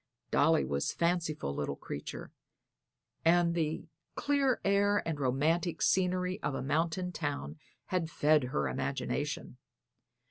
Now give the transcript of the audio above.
Dolly was a fanciful little creature, and the clear air and romantic scenery of a mountain town had fed her imagination.